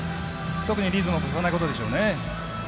特にリズムを崩さないことでしょうね。